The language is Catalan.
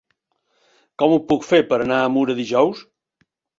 Com ho puc fer per anar a Mura dijous?